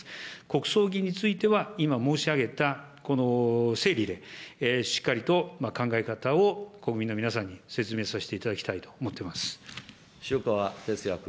国葬儀については、今申し上げた、この整備で、しっかりと考え方を国民の皆さんに説明させていただきたいと思っ塩川鉄也君。